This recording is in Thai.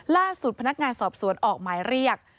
ล่าสุดพนักงานสอบสวนออกหมายเรียก